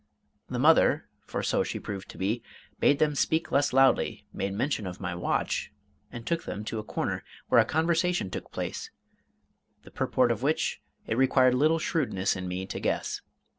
The mother for so she proved to be bade them speak less loudly, made mention of my watch, and took them to a corner, where a conversation took place, the purport of which it required little shrewdness in me to guess.